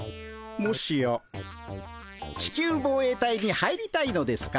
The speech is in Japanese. もしや地球防衛隊に入りたいのですか？